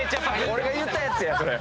俺が言うたやつやそれ。